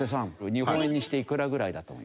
日本円にしていくらぐらいだと思います？